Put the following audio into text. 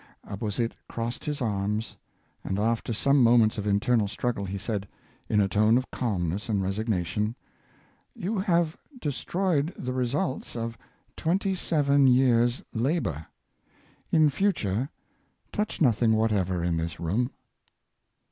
Abauzit crossed his arms, and after some moments of internal struggle, he said, 518 Cheerful Workers, in a tone of calmness and resignation :" You have destroyed the results of twenty seven years labor; in future touch nothing whatever in this room."